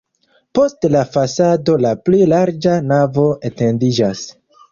Post la fasado la pli larĝa navo etendiĝas.